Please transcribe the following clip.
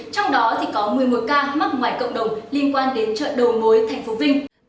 trong đó có một mươi một ca mắc ngoại cộng đồng liên quan đến trợ đồ mối tp vinh